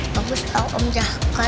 bagus tau om jaka itu jahat